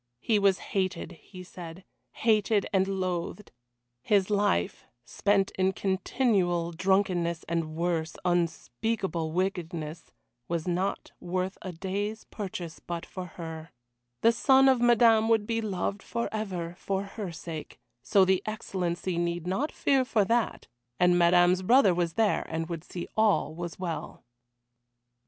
He was hated, he said, hated and loathed; his life spent in continual drunkenness, and worse, unspeakable wickedness was not worth a day's purchase, but for her. The son of Madame would be loved forever, for her sake, so the Excellency need not fear for that, and Madame's brother was there, and would see all was well.